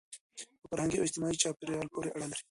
په فرهنګي او اجتماعي چاپېریال پورې اړه لري.